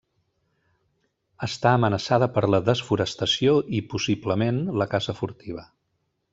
Està amenaçada per la desforestació i, possiblement, la caça furtiva.